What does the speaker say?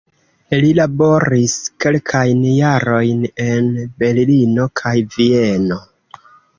Li laboris kelkajn jarojn en Berlino kaj Vieno.